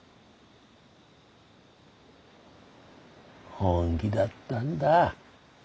本気だったんだ。